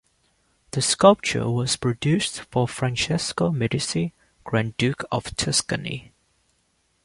The sculpture was produced for Francesco Medici, Grand Duke of Tuscany.